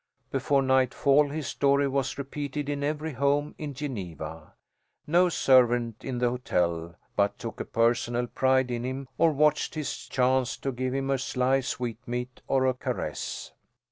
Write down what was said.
Before nightfall his story was repeated in every home in Geneva. No servant in the hotel but took a personal pride in him or watched his chance to give him a sly sweetmeat or a caress.